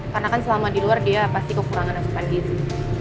karena kan selama di luar dia pasti kekurangan asupan gizi